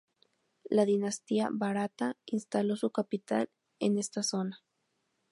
La dinastía Bharata instaló su capital en esta zona.